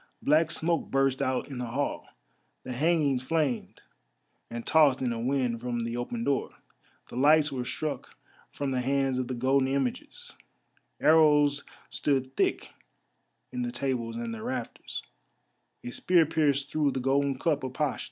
Black smoke burst out in the hall, the hangings flamed and tossed in a wind from the open door. The lights were struck from the hands of the golden images, arrows stood thick in the tables and the rafters, a spear pierced through the golden cup of Pasht.